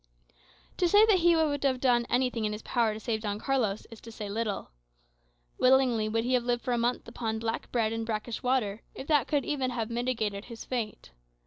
To say that he would have done anything in his power to save Don Carlos, is to say little. Willingly would he have lived for a month on black bread and brackish water, if that could have even mitigated his fate.